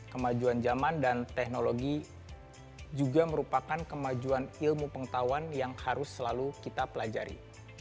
kemajuan zaman dan teknologi juga merupakan kemajuan ilmu pengetahuan yang harus selalu kita pelajari